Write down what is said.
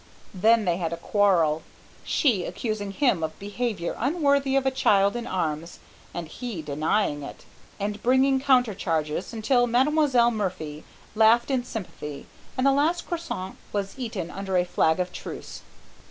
Then they had a quarrel; she accusing him of behaviour unworthy of a child in arms, and he denying it, and bringing counter charges, until Mademoiselle Murphy laughed in sympathy, and the last croisson was eaten under a flag of truce.